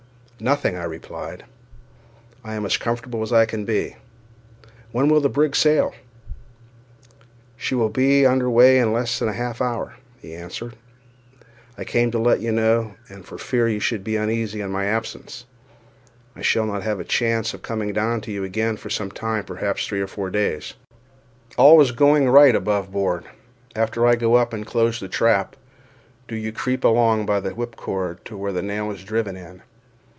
"Nothing," I replied; "I am as comfortable as can be; when will the brig sail?" "She will be under weigh in less than half an hour," he answered. "I came to let you know, and for fear you should be uneasy at my absence. I shall not have a chance of coming down again for some time—perhaps for three or four days more. All is going on right aboveboard. After I go up and close the trap, do you creep along by the whipcord to where the nail is driven in.